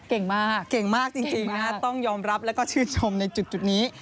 เก่งมากเก่งมากจริงนะฮะต้องยอมรับแล้วก็ชื่นชมในจุดนี้